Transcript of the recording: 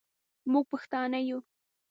موږ پښتانه یو